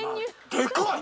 でかい！